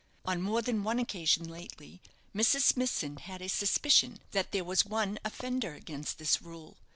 On more than one occasion, lately, Mrs. Smithson had a suspicion that there was one offender against this rule.